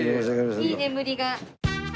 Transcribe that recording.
いい眠りが。